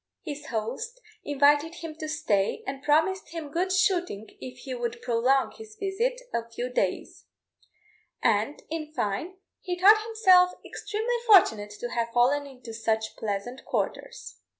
His host invited him to stay, and promised him good shooting if he would prolong his visit a few days: and, in fine, he thought himself extremely fortunate to have fallen into such pleasant quarters.